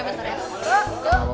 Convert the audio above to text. bentar ya semuanya bentar ya